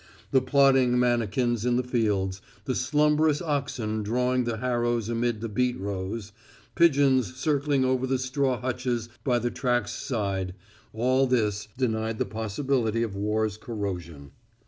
The plodding manikins in the fields, the slumberous oxen drawing the harrows amid the beet rows, pigeons circling over the straw hutches by the tracks' side all this denied the possibility of war's corrosion.